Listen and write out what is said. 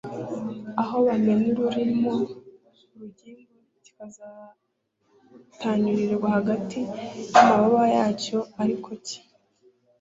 aho bamena u ririmo urugimbu kizatanyurirwe hagati y amababa yacyo ariko cye